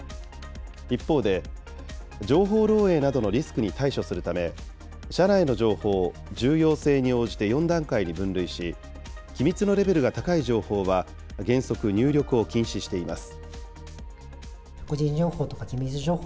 一方で、情報漏えいなどのリスクに対処するため、社内の情報を重要性に応じて４段階に分類し、機密のレベルが高い情報は、原則、入力を禁止しています。